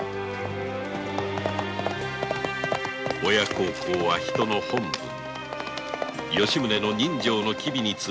親孝行は人の本分。